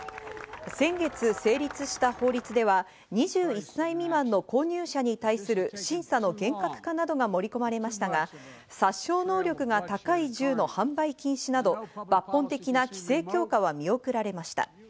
先月成立した法律では、２１歳未満の購入者に対する審査の厳格化などが盛り込まれましたが、殺傷能力が高い銃の販売禁止など、抜本的な規制強化は見送られました。